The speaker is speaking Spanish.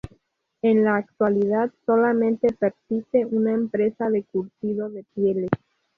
En la actualidad solamente persiste una empresa de curtido de pieles.